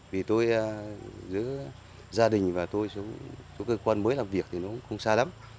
vì tôi giữa gia đình và tôi xuống cơ quan mới làm việc thì nó cũng không xa lắm